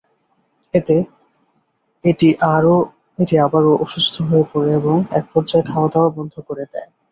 এতে এটি আবারও অসুস্থ হয়ে পড়ে এবং একপর্যায়ে খাওয়াদাওয়া বন্ধ করে দেয়।